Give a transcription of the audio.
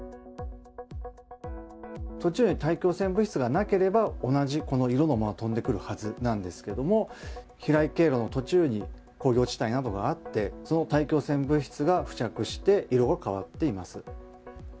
途中で大気汚染物質がなければ、同じ、この色のまま飛んでくるはずなんですけども、飛来経路の途中に工業地帯などがあって、その大気汚染物質が付着して色が変わっています。